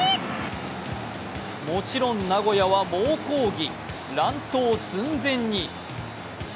もちろん名古屋は猛抗議、乱闘寸前に。